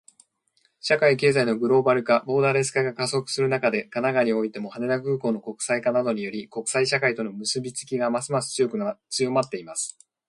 社会・経済のグローバル化、ボーダレス化が加速する中で、神奈川においても、羽田空港の国際化などにより、国際社会との結びつきがますます強まっています。